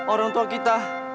orang tua kita